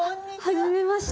はじめまして。